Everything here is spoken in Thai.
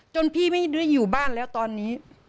พี่ไม่ได้อยู่บ้านแล้วตอนนี้